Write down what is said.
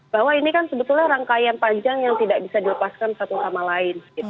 bahwa ini kan sebetulnya rangkaian panjang yang tidak bisa dilepaskan satu sama lain